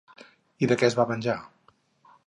I de què es va venjar?